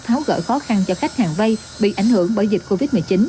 tháo gỡ khó khăn cho khách hàng vay bị ảnh hưởng bởi dịch covid một mươi chín